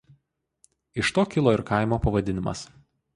Iš to kilo ir kaimo pavadinimas.